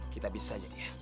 kita bisa aja dia